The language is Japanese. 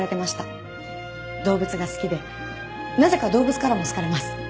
動物が好きでなぜか動物からも好かれます。